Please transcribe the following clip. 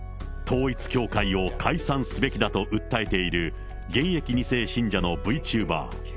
統一教会を解散すべきだと訴えている、現役２世信者のＶチューバー。